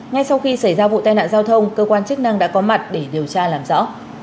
ngay sau khi xảy ra vụ tai nạn giao thông cơ quan chức năng đã có mặt để điều tra làm rõ